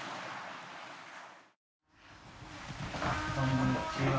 こんにちは。